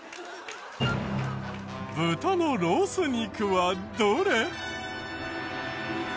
豚のロース肉はどれ？